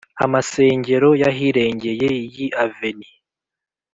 Amasengero y’ahirengeye y’i Aveni,